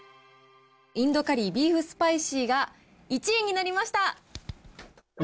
インドカリービーフスパイシーが１位になりました。